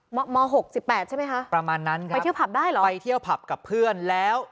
ม๖๑๘ใช่ไหมคะไปเที่ยวผับได้เหรอประมาณนั้นครับไปเที่ยวผับกับเพื่อนแล้ว